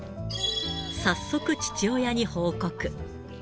早速、父親に報告。